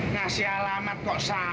ngasih alamat kok salah